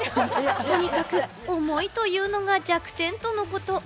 とにかく重いというのが弱点とのこと。